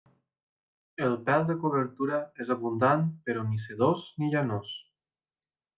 El pèl de cobertura és abundant però ni sedós ni llanós.